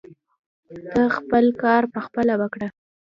ته خپل کار پخپله وکړه.